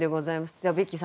ではベッキーさん